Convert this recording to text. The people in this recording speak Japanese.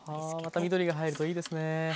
また緑が入るといいですね。